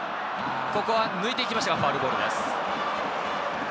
ここは抜いていきましたがファウルボールです。